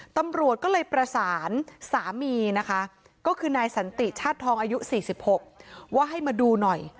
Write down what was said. ตำรวจก็เลยประสานสามีนะคะก็คือนายสันติชาติทองอายุ๔๖ว่าให้มาดูหน่อย